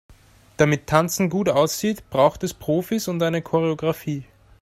Damit Tanzen gut aussieht, braucht es Profis und eine Choreografie.